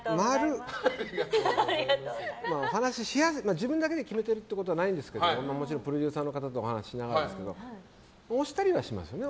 自分だけで決めてるということはないんですけどもちろんプロデューサーの方とお話ししながらですけど推したりはしますよね。